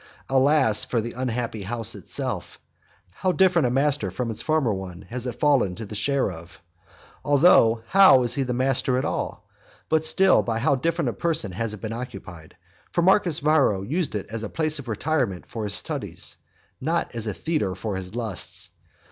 Alas for the unhappy house itself! how different a master from its former one has it fallen to the share of! Although, how is he the master at all? but still by how different a person has it been occupied! For Marcus Varro used it as a place of retirement for his studies, not as a theatre for his lusts.